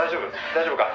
「大丈夫か？